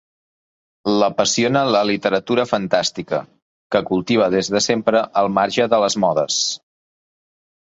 L'apassiona la literatura fantàstica, que cultiva des de sempre al marge de les modes.